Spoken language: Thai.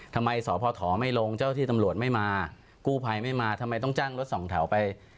ทำไมสพไม่ลงเจ้าที่ตำรวจไม่มากู้ภัยไม่มาทำไมต้องจ้างรถสองแถวไป